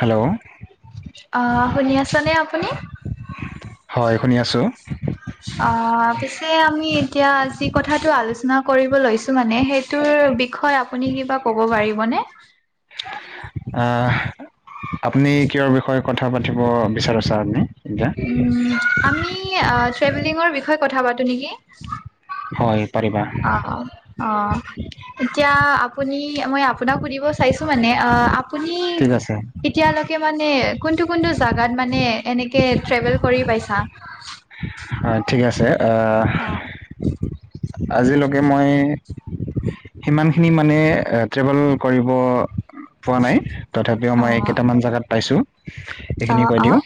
Hello অঁ, শুনি আছনে আপুনি? হয় শুনি আছোঁ। অঁ, পিছে আমি এতিয়া যি কথাটো আলোচনা কৰিব লৈছো মানে সেই টোৰ বিষয়ে আপুনি কিবা ক'ব পাৰিবনে? আঁহ আপুনি কিয়ৰ বিষয়ে কথা পাতিব বিচাৰিছে আপনি এতিয়া? উম আমি আঁ ট্ৰেভেলিঙৰ বিষয়ে কথা পাতো নেকি। হয় পাৰিবা। অঁ এতিয়া আপুনি মই আপোনাক সুধিব চাইছো মানে অঁ আ আপুনি ই ঠিক আছে এতিয়ালেকে মানে কোনটো কোনটো জাগাত মানে এনেকে ট্ৰেভেল কৰি পাইছা? হয় ঠিক আছে, এ অঁ আজিলকে মই সিমানখিনি মানে ট্ৰেভেল কৰিব পোৱা নাই। তথাপিও অ মই এই কেইটামান জেগাত পাইছো। অ সেইখিনি কৈ অ দিওঁ,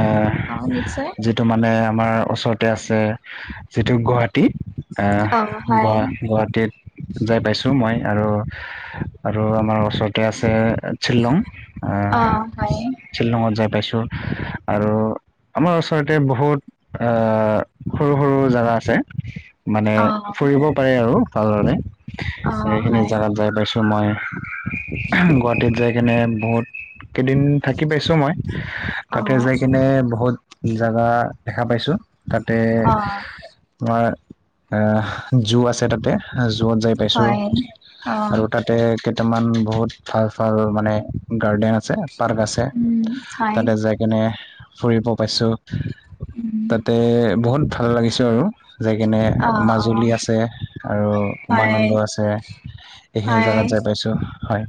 এহ অ নিশ্চয় যি টো মানে আমাৰ ওচৰতে আছে যিটো গুৱাহাটী। এহ অ হয় গুৱা গুৱাহাটীত যাই পাইছো মই, আৰু আৰু আমাৰ ওচৰত তে আছে শিলং, আঁহ। অ হয় শ্বিলঙত যাই পাইছোঁ, আৰু আমাৰ ওচৰতে বহুত এ সৰু সৰু জাগা আছে মানে অ ফুৰিব পাৰে আৰু ভালদৰে অ', সখিনি হয় জেগাত যাই পাইছোঁ মই গুৱাহাটীত যাই কেনে বহুত কেইদিন থাকি পাইছো মই অ', তাতে যাই কিনে বহুত জাগা দেখা পাইছো তাতে অ', তোমাৰ আহ জু আছে তাতে জুত যাই পাইছো হয় অ', আৰু তাতে কেইটামান বহুত ভাল ভাল মানে গাৰ্ডেন আছে আছে পাৰ্ক আছে উম, হয় তাতে যাই কিনে ফুৰিব পাইছো উম, তাতে বহুত ভাল লাগিছোঁ আৰু যাই কিনে অ', মাজুলী অ', আছে আৰু উমানন্দ হয় আছে এইখিনি জাগাত হয় যাই পাইছো হয়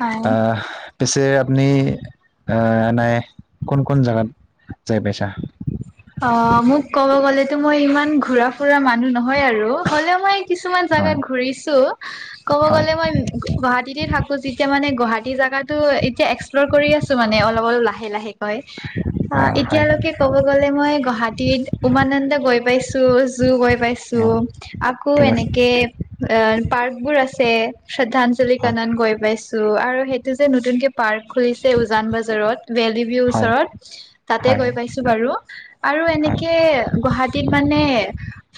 হয় আহ পছে আপুনি এ নাই কোন কোন জেগাত যায় পাইছা অ মোক কব গ'লেতো মই ইমান ঘূৰা ফুৰা মানুহ নহ হয় আৰু হ'লেও মই কিছুমান জাগাত হয় ঘুৰিছো ক'ব হয় গলে মই গুৱাহাটীতে থাকো যেতিয়া মানে গুৱাহাটী জাগগাতো এতিয়া কৰিআছোঁ মানে অলপ অলপ লাহে লাহে কৈ অ এতিয়া লকে কব যে মই গুৱাহাটীত উমানন্দ গৈ পাইছো জু গৈ পাইছো অ আকৌ ঠিক আছে এনেকে অ পাৰ্ক বোৰ আছে শ্ৰদ্ধাঞ্জলি হয় কণন গৈ পাইছো আৰু সেই যে নতুনকে পাৰ্ক খুলিছে উজান বজাৰত ভেলি হয় ওচৰত তাতে হয় গৈ পাইছো বাৰু আৰু হয় এনেকে গুৱাহাটীত মানে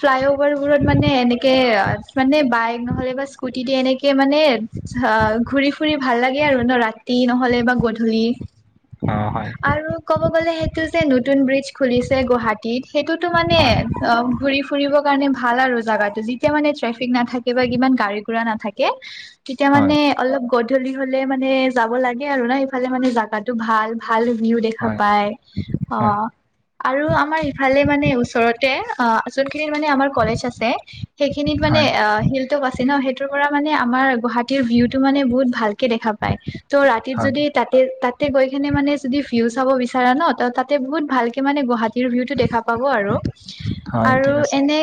ফ্লাই অভাৰ বোৰত মানে এনেকে মানে বাইক নহ'লে বা স্কুটি দ এনেকে তে মানে ঘূৰি ফুৰি ভাল লাগে আৰু ন ৰাতি নহ'লে বা গধূলি অ হয় আৰু ক'ব গ'লে সেইটো যে নতুন ব্ৰিজ খুলিছে গুৱাহাটীত সেইটোতো মানে অ ঘূৰি ফুৰিবৰ কাৰণে ভাল আৰু জাগগাতটো যেতিয়া মানে ট্ৰেফিক তেতিয়া মানে ট্ৰেফিক নাথাকে ইমান গাৰী ঘূৰা নাথাকে তেতিয়া হয় মানে অলপ গধূলি হ'লে মানে যাব লাগে আৰু ন ইফালে মানে জাগাত টো ভাল ভাল ভিউ দেখা হয় পায় অ হয় আৰু আমাৰ ইফালে মানে ওচৰতে যোনখিনি মানে আমাৰ কলেজ আছে সেইখিনিত মানে হয় অ শিল টোক আছে ন সেইটোৰ পৰা মানে আমাৰ গুৱাহাটীৰ ভিউ টো মানে বহুত ভাল দেখা পায় ত ৰাতিত হয় যদি তাতে তাতে গৈ কিনে মানে যদি ভিউ চাব বিচাৰা ন ত তাতে বহুত ভালকে মানে গুৱাহী ভিটো দেখা পাব আৰু হয় আৰু ঠিক আছে এনে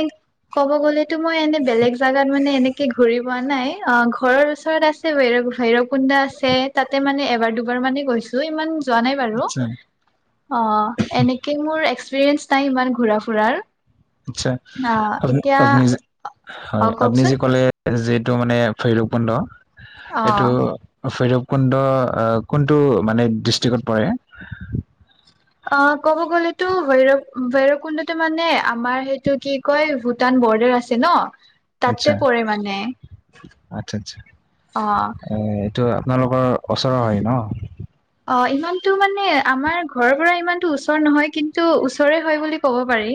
ক'ব গলে টো মই এনে বেলেগ জেগাত মানে এনেকে ঘূৰি পোৱা নাই অ ঘৰৰ ওচৰত আছে বৰ ভৈৰৱ কুন্দা আছে তাতে মানে এবাৰ দুবাৰ মানে গৈছো ইমান যোৱা নাই বাৰু আচ্ছা অ এনেকে মোৰ এক্সপিৰিয়েঞ্চ নাই ইমান ঘূৰা ফুৰাৰ আচা অ আপোনি এতিয়া আপোনি যে হয় অ আপোনি কওকচোন যে ক'লে যিটো মানে ভৈৰৱ কুণ্ড অ এইটো ভৈৰৱ কুণ্ড কোনটো মানে কোনটো দিষ্টিকত পৰে অ ক'ব গলেতো ভৈৰৱ ভৈৰৱ কুণ্ডতো মানে আমাৰ সেইটো কি কয় ভূটান বৰ্ডাৰ আছে ন তাতে আচ্ছা, পৰে মানে অ তটো আপোনালোকৰ ওচৰ হয় ন অ ইমানতটো মানে আমাৰ ঘৰৰ পৰা ইমানতটো ওচৰ নহয় কিন্তু ওচৰে হয় বুলি ক'ব পাৰি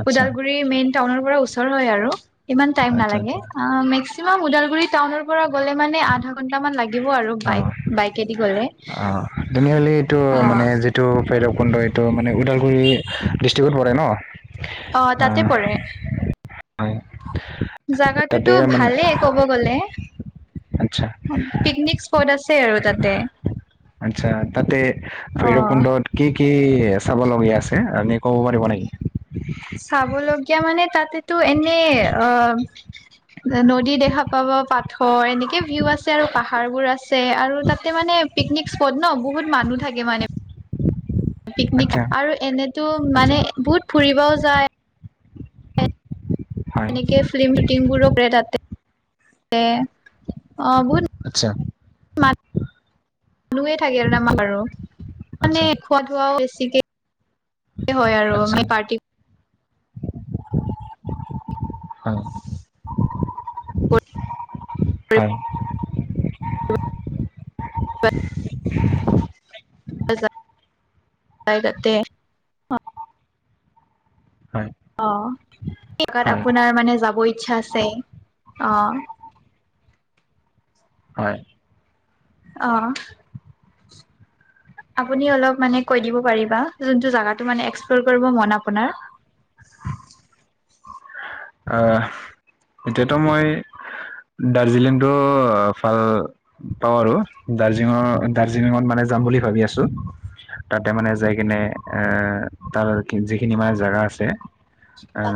আচ্ছা, ওদালগুৰি মেইন টাউন পৰা ওচৰ হয় আৰু, ইমান টাইম আচ্ছা, নালাগে। আচ্ছা। আঁ মে ক্সিমাম ওদালগুৰি টাউনৰ পৰা গ'লে মানে আধা ঘণ্টামান লাগিব আৰু, বাইক বাইকেদি গ'লে। অঁ, তেনেহলে এইটো অ মানে যিটো ভৈৰৱ কুণ্ড এইটো মানে ওদালগুৰি দিষ্টি ত পৰে ন। অ তাতে পৰে তাতে জাগাটোতো মানে ভালেই ক'ব গ'লে। আচ্ছা, পিকনিক স্পট আছে আৰু তাতে। আচ্ছা তাতে অ ভৈৰৱ কুণ্ডত কি কি চাব লগীয়া আছে, আপুনি ক'ব পাৰিব নেকি? চাবলগীয়া মানে তাতেতো এনে অ নদী দেখা পাব পাথৰ এনেকে ভিউ আছে, আৰু পাহাৰবোৰ আছে আৰু তাতে মানে পিকনিক স্পট ন বহুত মানুহ থাকে মানে। পিকনিক আচ্ছা, আৰু এনেতো আচ্ছা, মানে বহুত ফুৰিবও যায়। হয়। এনেকে ফিল্ম শ্বুটিং বোৰো কৰে তাতে তে অঁ বহুত আচ্ছা মানুহে থাকে আৰু তমাৰ বাৰু আচ্ছা, মানে খোৱা লোৱাও বেছিকে কে হয় আৰু আচ্ছা। মানে পাৰ্টি অঁ কৰিব হয়। [unintelligible] যা যাই তাতে। হয়। অঁ, এনেকাত হয়, আপোনাৰ মানে যাব ইচ্ছা আছে, অঁ। হয়। অঁ আপুনি অলপ মানে কৈ দিব পাৰিবা, যোনটো জাগাতটো মানে এক্সপ্ল'ৰ কৰিব মন আপোনাৰ। [inaudible] আঁহ, এতিয়াতো মই দাৰ্জিলিংতটো ভাল পাওঁ আৰু, দাৰ্জিঙৰ দাৰ্জিলিঙত মানে যাম বুলি ভাবি আছো। তাতে মানে যাই কিনে এ তাৰ যিখিনি মানে জেগা আছে। অ আঁহ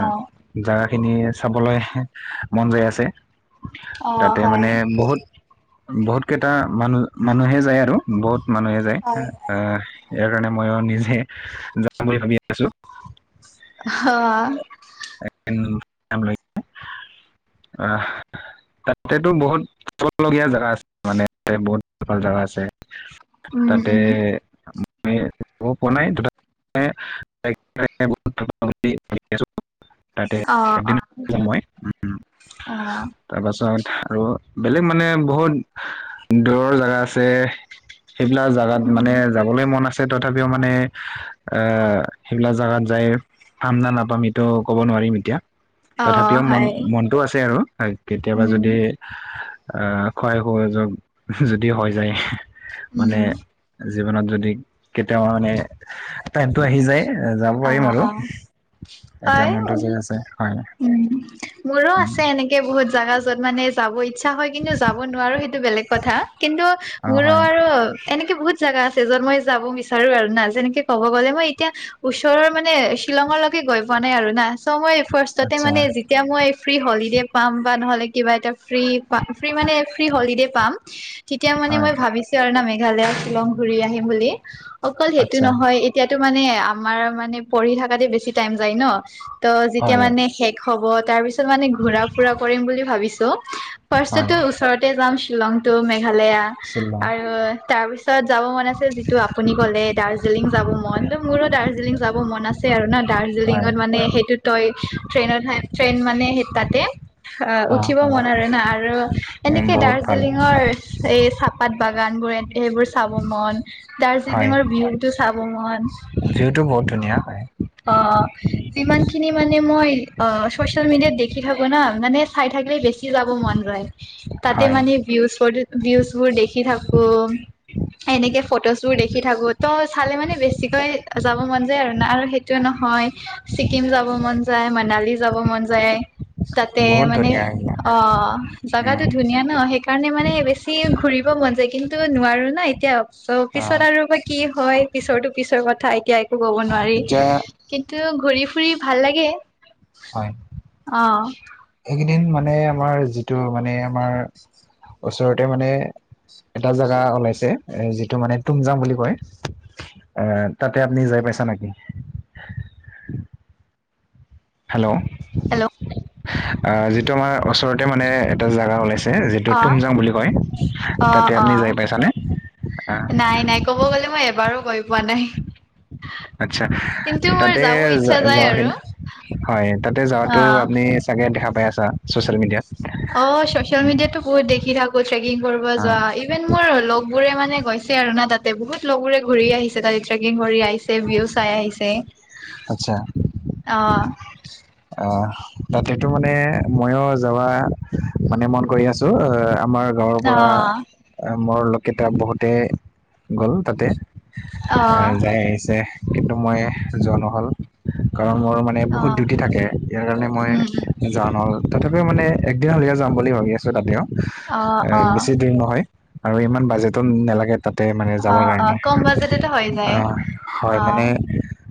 জাগা খিনি চাবলৈ মন যায় আছে। অ তাতে হয় মানে বহুত বহুত কেইটা মানুহ মানুহে যায় আৰু বহুত মানুহে যায়। হয় আঁহ ইয়াৰ কাৰণে ময়ো নিজে যাম বুলি ভাবি আছোঁ। অহঁ [unintelligible] তাতেতো বহুত থলগীয়া জেগা আছে, মানে বহুত ভাল ভাল জেগা আছে। উম তাতে উম [unintelligible] [unintelligible] তাৰপাছত অ অ আৰু অ বেলেগ মানে বহুত দূৰৰ জেগা আছে। সেইবিলাক জাগাত উম মানে যাবলৈ মন আছে তথাপিও মানে, আঁহ সেইবিলাক জোগাত যায়। পাম না নাপাম এইটো ক'ব নোৱাৰিম এতিয়া। অ তথাপিও মন হয় মনতটো আছে আৰু কেতিয়াবা উম যদি আঁহ খোৱাই খোৱা যোৱা যদি হৈ যায় মানে উম জীৱনত যদি কেতিয়াবা মানে টাইমতটো আহি যায়, যাব অ পাৰিম আৰু। অ এতিয়া হয় মনটো যাই আছে হয় উম, মোৰো উম, আছে এনেকে বহুত জাগা য'ত মানে যাব ইচ্ছা হয় কিন্তু যাব নোৱাৰো সেইটো বেলেগ কথা। কিন্তু অ, মোৰো হয়, আৰু এনেকে বহুত জাগা আছে য'ত মই যাব বিচাৰো আৰু না যেনেকে কব গ'লে মই এতিয়া ওচৰৰ মানে শ্বিলঙৰলৈকে গৈ পোৱা নাই আৰু না চ' মই ফাৰ্ষ্টতে আচ্ছা, মানে এতিয়া মই ফ্ৰী হলিডে পাম বা নহ'লে কিবা এটা ফ্ৰী মানে ফ্ৰী হলিডে পাম তেতিয়া মানে হয়, মই ভাবিছো আৰু না মেঘালয় শ্বিলং ঘূৰি আহিম বুলি। অকল সেইটো আচ্ছা, নহয় তেতিয়াতো মানে আমাৰ মানে পঢ়ি থকাতে বেছি টাইম যায় ন, ত যেতিয়া হয়, মানে শেষ হ'ব তাৰ পিছত মানে ঘুৰা-ফুৰা কৰিম বুলি ভাবিছো। হয়। ফাৰ্ষ্টো ওচৰতে যাম শ্বিলং টো মেঘালয়া শ্বিলং, আৰু তাৰপিছত পাছত যাব মন আছে যিটো আপুনি ক'লে দাৰ্জিলিং যাব মন ত' মূৰত দাৰ্জিলিং যাব মন আছে আৰু ন হয়, দাৰ্জিলিঙত মানে সেইটো তই ট্ৰেইনত ট্ৰেইন মানে সেই তাতে অ উঠিব মন আৰু না আৰু উম, এনেকে বহুত ভাল, দাৰ্জিলিঙৰ এই চাহপাত বাগান বোৰ সেইবোৰ চাব মন, হয়, দাৰ্জিলিঙৰ ভিউ টো চাব মন। ভিউটো বহুত ধুনীয়া হয়। অ'। যিমানখিনি মানে মই অ চচিয়েল মিডিয়াত দেখি থাকো না মানে চাই থাকিলে বেছি যাব মন যায়। তাতে হয়, মানে ভিউজ বোৰ ভিউজ বোৰ দেখি থাকো এনেকে ফটোজ বোৰ দেখি থাকো ত' চালে মানে বেছিকৈ যাব মন যায় আৰু না আৰু নহয় ছিকিম যাব মন যায়, মনালী যাব মন যায়। তাতে বহুত মানে ধুনীয়া এইবিলাক, অ উম, জাগাটো ধুনীয়া ন' সেই কাৰণে মানে বেছি ঘূৰিব মন যায় কিন্তু নোৱাৰো এতিয়া চ অ, পিছত আৰু কি হয় পিছৰটো পিছৰ কথা এতিয়া একো ক'ব নোৱাৰি। এতিয়া কিন্তু ঘূৰি ফুৰি ভাল লাগে হয়, আহ। এইকেইদিন মানে আমাৰ যিটো মানে আমাৰ ওচৰতে মানে এটা জোগা ওলাইছে এ যিটো মানে তুমজাং বুলি কয় এ তাতে আপুনি যাই পাইছা নেকি? হেল্ল'। হেল্ল! অ যিটো ওচৰতে মানে এটা জেগা ওলাইছে যিহেতু অ তুমজাং বুলি কয়। অ তাতে অ আপুনি যাই পাই চানে? নাই নাই ক'ব গ'লে মই এবাৰো গৈ পোৱা নাই। আতছা কিন্তু মোৰ তাতে যাব ইচ্ছা যায় যো-যোৱা আৰু হয় তাতে অ যোৱাটো আপুনি তাকে দেখা পাই আছা ছ'চিয়েল মিডিয়াত? অ চচিয়েল মিডিয়াতো বহুত দেখি থাকো ট্ৰেকিং কৰিব যোৱা হয়। ইভেন মোৰ লগবোৰে মানে গৈছে আৰু না তাতে বহুত লগবোৰে ঘূৰি আহিছে তাতে ট্ৰেকিং কৰি আহিছে, ভিউ চাই আহিছে। আচ্ছা। অ'। অ'। তাতটো মানে মইও যাবা মানে মন কৰি আছো অ আমাৰ গাঁৱৰ অ পৰা মোৰ লগকেইটা বহুতে গ'ল তাতে। অ আহ যাই আহিছে। কিন্তু মই যোৱা নহ'ল কাৰণ মোৰ মানে নে অ বহুত ডিউটি থাকে, ইয়াৰ কাৰণে মই উম উম যাব নোৱাৰো। তথাপিও মানে একদিন হ'লেও যাম বুলি ভাবি আছোঁ তাতেও, অ এ অ বেছি দূৰ নহয়। আৰু ইমান বাজেটো নালাগে। তাতে মানে অ যাবৰ অ কাৰণে, কম বাজেটতে হৈ যায় আহ হয় অ মানে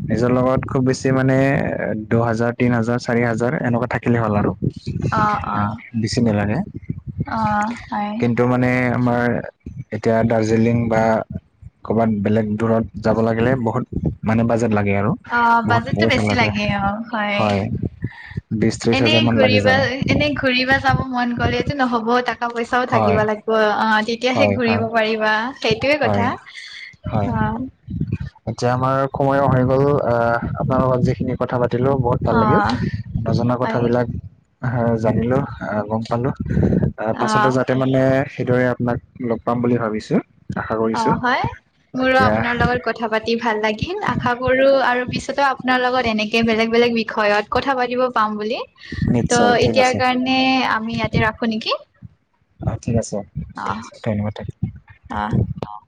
নিজৰ লগত খুব বেছি মানে, দুহাজাৰ, তিন হাজাৰ, চাৰি হাজাৰ এনেকুৱা থাক কিলে হ'ল আৰু, অ অ আহ বেছি নালাগে। অ হয় কিন্তু মা নে আমাৰ এতিয়া দাৰ্জিলিং বা ক'ৰবাত বেলেগ দূৰত যাব লাগিলে, বহুত মানে বাজেট লাগে আৰু। অ বহুত বাজেটটো পইচা বেছি লাগে, অ হয়, বিশ, ত্ৰিশ হাজাৰ মান লাগি যায়। এনেই ঘূৰিব যাব মন গ'লেতো নহ'ব, টকা-পইচাও থাকিব হয় লাগিব, অ', তেতি তেতিয়াহে হয় হয় ঘূৰিব পাৰিবা সেইটোয়ে হয় কথা, হয় অ',। এতিয়া আমাৰ সময়ো হৈ গ'ল, আহ আপোনাৰ লগত যিখিনি কথা পাতিলো বহুত অ ভাল লাগিল। নজনা হয় কথাবিলাক জানিলোঁ, গম পালোঁ। অ', পাছতো যাতে মানে, সেইদৰে আপোনাক লগ পাম বুলি ভাবিছোঁ। অ', হয়, মোৰো আপোনাৰ লগত কথ কথা পাতি ভাল লাগিল, আশা কৰোঁ আৰু পিছতো, আপোনাৰ লগত এনেকেই বেলেগ-বেলেগ বিষয়ত কথা পাতিব পাম বুলি, নিশ্চয় ত' ঠিক আছে এতিয়াৰ কাৰণে, আমি ইয়াতে ৰাখো নেকি। অ', ঠিক আছে, অ ঠিক আছে, থেংকউ-থেংকউ, অ অ'।